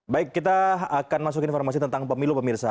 baik kita akan masuk informasi tentang pemilu pemirsa